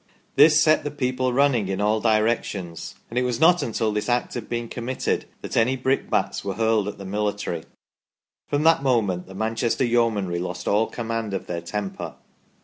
This set the people running in all direc tions, and it was not until this act had been committed that any brickbats were hurled at the military. From that moment the Manchester Yeomanry lost all command of their temper."